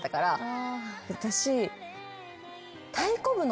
私。